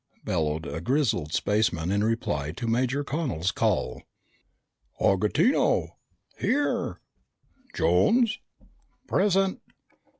bellowed a grizzled spaceman in reply to Major Connel's call. "Augutino!" "Here!" "Jones! "Present!"